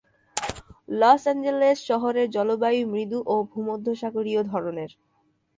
Loss Angeles শহরের জলবায়ু মৃদু ও ভূমধ্যসাগরীয় ধরনের।